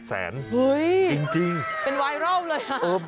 เฮ้ยเป็นวายรอบเลยหรอจริง